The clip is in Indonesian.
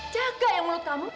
jaga yang mulut kamu